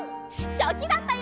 チョキだったよ。